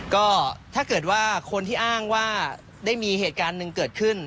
ก็ถ้าเกิดว่าคนที่อ้างว่าได้มีเหตุการณ์หนึ่งเกิดขึ้น